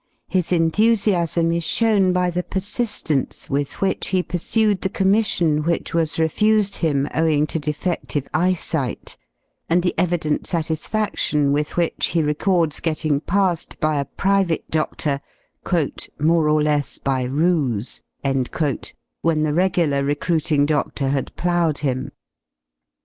His enthusiasm is shown by the persistence with which he pursued the commission zvhich was refused him owing to defedive eyesight y and the evident satisfaction with which he records getting passed by a private dodory ''''more or less by ruse" when the regular recruiting dodor had ploughed him.